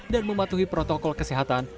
dan mematuhi protokol kesehatan